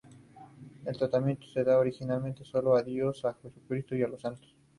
El tratamiento se daba originalmente sólo a Dios, a Jesucristo y a los santos.